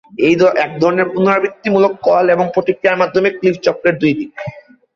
এক ধরনের পুনরাবৃত্তিমূলক কল এবং প্রতিক্রিয়ার মধ্যে ক্লিভ চক্রের দুই দিক।